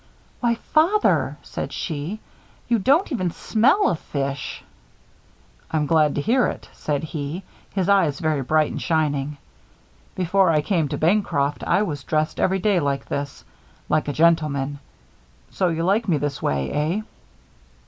"Why, Father!" she said. "You don't even smell of fish." "I'm glad to hear it," said he, his eyes very bright and shining. "Before I came to Bancroft I was dressed every day like this like a gentleman. So you like me this way, eh?"